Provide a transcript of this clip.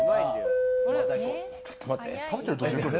ちょっと待って。